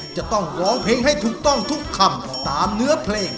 จะต้องร้องเพลงให้ถูกต้องทุกคำตามเนื้อเพลง